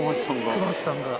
熊八さんが。